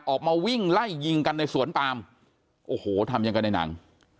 ออกมาวิ่งไล่ยิงกันในสวนปามโอ้โหทำยังไงในหนัง